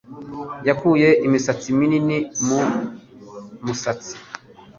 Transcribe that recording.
Yakuye imisatsi minini mu musatsi